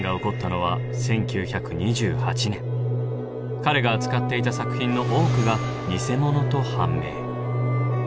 彼が扱っていた作品の多くが偽物と判明。